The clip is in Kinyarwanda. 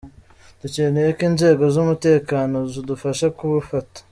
dukeneye ko inzego z’umutekano zadufasha kubafata.